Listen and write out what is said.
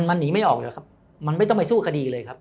มันหนีไม่ออกหรอกครับมันไม่ต้องไปสู้คดีเลยครับ